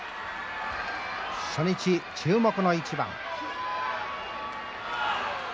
初日注目の一番。